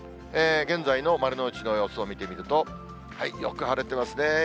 現在の丸の内の様子を見てみると、よく晴れてますね。